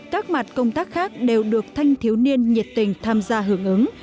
các mặt công tác khác đều được thanh thiếu niên nhiệt tình tham gia hưởng ứng